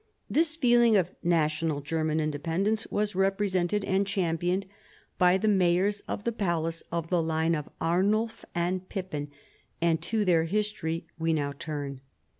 This feeling of national German in dependence was represented and championed by the mayors of the palace of the line of Arnulf and Pippin, and to their history we nowturn.